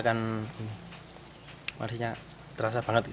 dan manisnya terasa banget